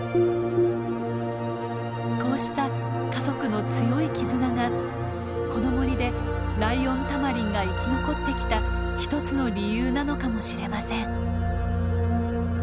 こうした家族の強い絆がこの森でライオンタマリンが生き残ってきたひとつの理由なのかもしれません。